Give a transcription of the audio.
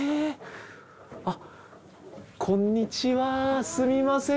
こんにちはすみません